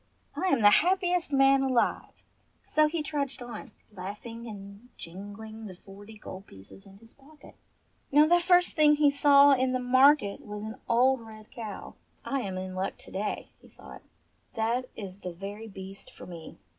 I am the happiest man alive!" 198 ENGLISH FAIRY TALES So he trudged on, laughing and jingHng the forty gold pieces in his pocket. Now the first thing he saw in the market was an old red cow. "I am in luck to day," he thought, "that is the very beast for me.